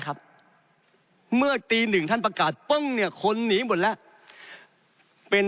ครับเมื่อตีหนึ่งท่านประกาศปึ้งเนี่ยคนหนีหมดแล้วเป็น